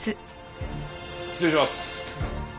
失礼します。